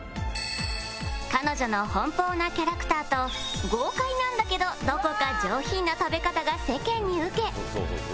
彼女の奔放なキャラクターと豪快なんだけどどこか上品な食べ方が世間に受け